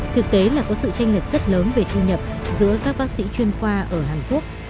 thực tế là có sự tranh lệch rất lớn về thu nhập giữa các bác sĩ chuyên khoa ở hàn quốc